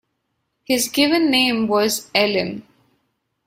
His given name was Elim.